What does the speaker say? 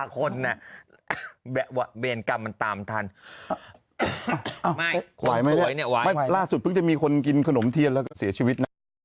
คนแบบว่าเบนกรรมมันตามทันหลักสุดมีคนกินขนมเทียนแล้วก็เสียชีวิต